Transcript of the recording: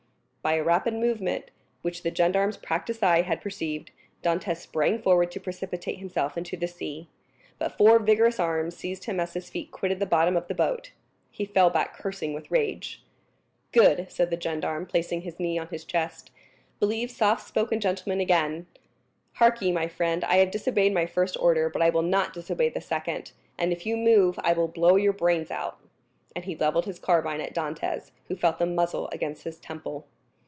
By a rapid movement, which the gendarme's practiced eye had perceived, Dantès sprang forward to precipitate himself into the sea; but four vigorous arms seized him as his feet quitted the bottom of the boat. He fell back cursing with rage. "Good!" said the gendarme, placing his knee on his chest; "this is the way you keep your word as a sailor! Believe soft spoken gentlemen again! Hark ye, my friend, I have disobeyed my first order, but I will not disobey the second; and if you move, I will blow your brains out." And he levelled his carbine at Dantès, who felt the muzzle against his temple.